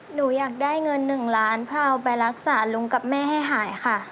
หนูอยากได้เงิน๑ล้านเพื่อเอาไปรักษาลุงกับแม่ให้หายค่ะ